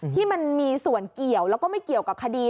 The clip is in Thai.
ที่มันมีส่วนเกี่ยวแล้วก็ไม่เกี่ยวกับคดี